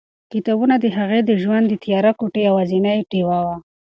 کتابونه د هغې د ژوند د تیاره کوټې یوازینۍ ډېوه وه.